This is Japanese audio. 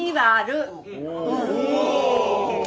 お！